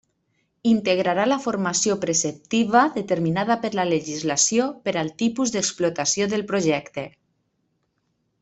Integrarà la formació preceptiva determinada per la legislació per al tipus d'explotació del projecte.